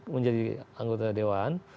menjadi anggota dewan